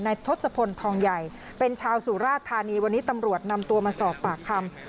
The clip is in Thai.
ทศพลทองใหญ่เป็นชาวสุราชธานีวันนี้ตำรวจนำตัวมาสอบปากคำ